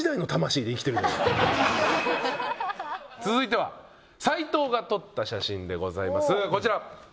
続いては齋藤が撮った写真でございますこちら。